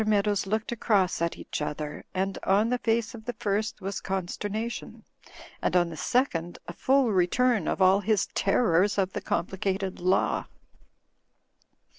Meadows looked across at each other, and on the face of the first was consterna tion, and on the second a full return of all his terrors of the complicated law.